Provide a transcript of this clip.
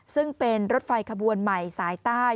ซึ่งเป็นรถไฟขบวนใหม่สายใต้